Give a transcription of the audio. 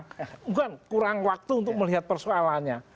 bukan kurang waktu untuk melihat persoalannya